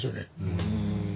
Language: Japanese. うん。